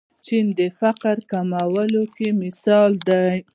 چین د فقر کمولو کې مثال دی.